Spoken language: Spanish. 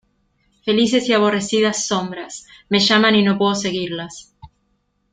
¡ felices y aborrecidas sombras: me llaman y no puedo seguirlas!